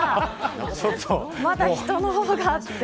まだ人の方があって。